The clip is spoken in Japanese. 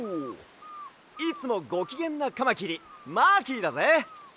いつもごきげんなカマキリマーキーだぜ！